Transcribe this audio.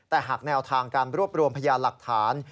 แต่หากแนวทางการรวบรวมพยานหลักฐาน